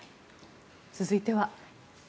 続いては。